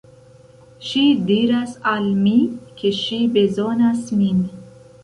Ŝi diras al mi, ke ŝi bezonas min.